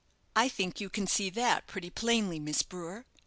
I think you can see that pretty plainly, Miss Brewer.